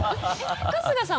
春日さん